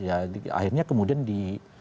akhirnya kemudian di